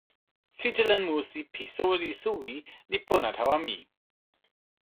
sitelen musi pi soweli suwi li pona tawa mi.